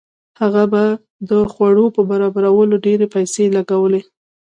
هغه به د خوړو په برابرولو ډېرې پیسې لګولې.